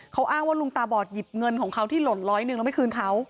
เขาอ้างว่าลุงตาบอดหยิบเงินของเขาที่หล่นร้อยหนึ่งแล้วไม่คืนเขา